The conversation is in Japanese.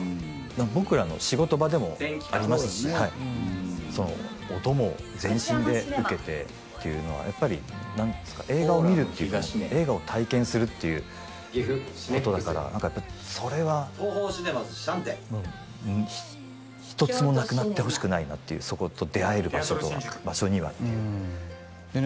僕らの仕事場でもありますしその音も全身で受けてっていうのはやっぱり何ていうんですか映画を見るっていうか映画を体験するっていうことだから何かやっぱそれは一つもなくなってほしくないなっていうそこと出会える場所とは場所にはっていうでね